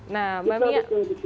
nah mbak mia